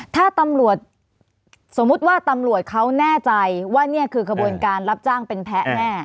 ถ้าตำรวจสมมุติว่าตำรวจเขาแน่ใจว่านี่คือขบวนการรับจ้างเป็นแพ้แน่